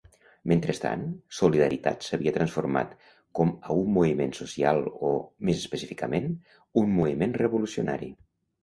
Mentrestant, Solidaritat s'havia transformat com a un moviment social o, més específicament, un moviment revolucionari.